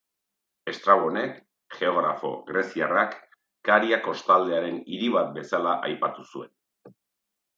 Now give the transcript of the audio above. Estrabonek, geografo greziarrak, Karia kostaldearen hiri bat bezala aipatu zuen.